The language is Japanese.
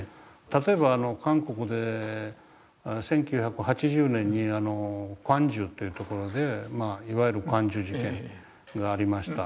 例えば韓国で１９８０年に光州という所でいわゆる光州事件がありました。